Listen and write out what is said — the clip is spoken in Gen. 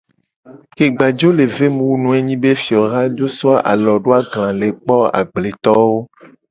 Ke gba jo le ve mu wu nu a ye nyi be fioha jo so alo do agla le kpo agbledetowo.